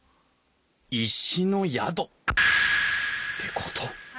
石の宿ってこと？